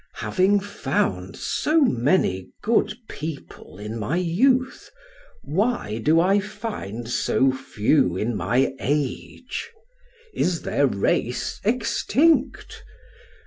Having found so many good people in my youth, why do I find so few in my age? Is their race extinct?